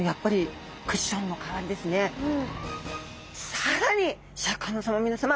更にシャーク香音さま皆さま。